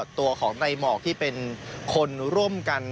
ตัวของในหมอกที่เป็นคนร่วมกัน